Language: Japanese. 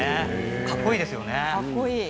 かっこいいですよね。